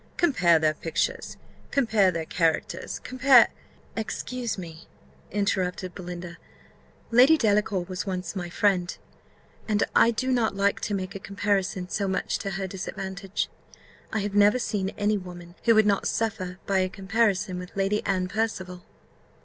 Compare their pictures compare their characters compare " "Excuse me," interrupted Belinda; "Lady Delacour was once my friend, and I do not like to make a comparison so much to her disadvantage. I have never seen any woman who would not suffer by a comparison with Lady Anne Percival."